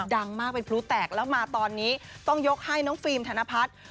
ดังมากเป็นพลุแตกแล้วมาตอนนี้ต้องยกให้น้องฟิล์มธนพัฒน์